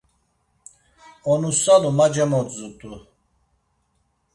Onusalu ma cemodzut̆u.